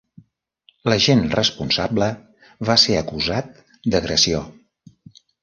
L'agent responsable va ser acusat d'agressió.